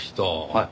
はい。